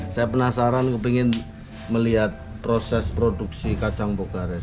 saya penasaran kepingin melihat proses produksi kacang bogares